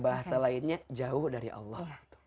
bahasa lainnya jauh dari allah